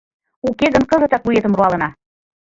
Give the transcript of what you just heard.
Уке гын кызытак вуетым руалына!